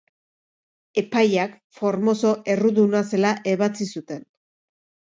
Epaiak Formoso erruduna zela ebatzi zuten.